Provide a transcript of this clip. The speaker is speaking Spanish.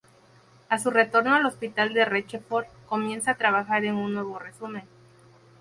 A su retorno al Hospital de Rochefort, comienza a trabajar en un nuevo resumen.